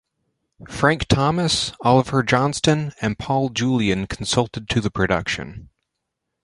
Frank Thomas, Oliver Johnston and Paul Julian consulted to the production.